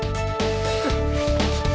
jangan paksain diri